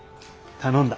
頼んだ。